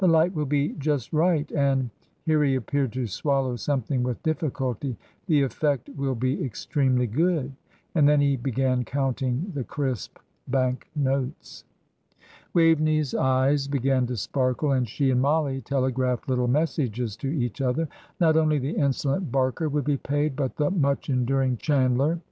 "The light will be just right, and" here he appeared to swallow something with difficulty "the effect will be extremely good." And then he began counting the crisp bank notes. Waveney's eyes began to sparkle, and she and Mollie telegraphed little messages to each other. Not only the insolent Barker would be paid, but the much enduring Chandler.